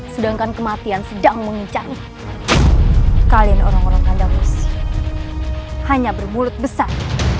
sedangkan kematian sedang mengincang kalian orang orang kandang hanya bermulut besar